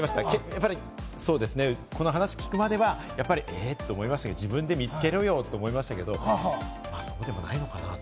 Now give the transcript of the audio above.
この話を聞くまでは、え？と思いましたけど、自分で見つけろよと思いましたけど、まぁ、今はそうでもないのかな？